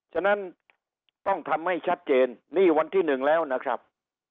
ฉะนั้นต้องทำให้ชัดเจนนี่วันที่หนึ่งแล้วนะครับ